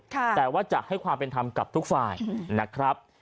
แต่ว่าจะให้ความเป็นธรรมกับทุกฝ่ายนะครับ